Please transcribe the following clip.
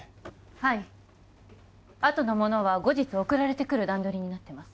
はいあとのものは後日送られてくる段取りになってます